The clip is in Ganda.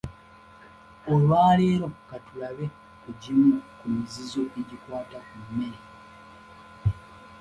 Olwaleero ka tulabe ku gimu ku mizizo egikwata ku mmere.